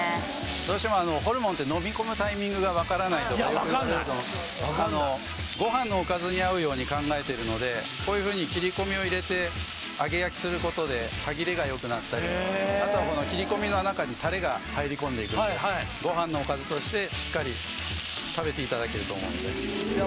どうしてもホルモンってご飯のおかずに合うように考えているのでこういうふうに切り込みを入れて揚げ焼きすることで歯切れがよくなったりあとはこの切り込みの中にたれが入り込んでいくのでご飯のおかずとしてしっかり食べていただけると思うのでいや